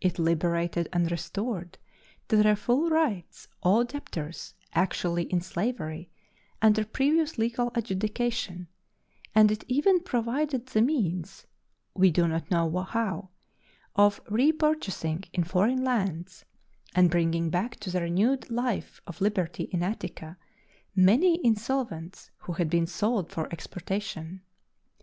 It liberated and restored to their full rights all debtors actually in slavery under previous legal adjudication; and it even provided the means (we do not know how) of repurchasing in foreign lands, and bringing back to a renewed life of liberty in Attica, many insolvents who had been sold for exportation.